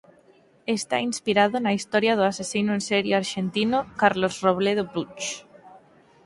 Está inspirado na historia do asasino en serie arxentino Carlos Robledo Puch.